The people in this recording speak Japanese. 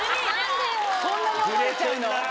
そんなに思われちゃうの？